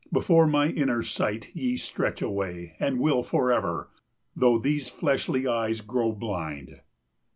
215 Before my inner sight ye stretch away, And will forever, though these fleshly eyes grow blind.